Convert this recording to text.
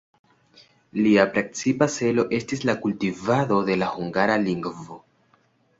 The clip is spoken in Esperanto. Lia precipa celo estis la kultivado de la hungara lingvo.